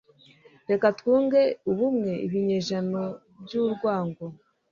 reka twunge ubumwe; ibinyejana by'urwango